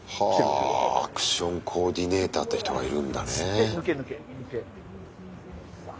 はあアクションコーディネーターって人がいるんだね。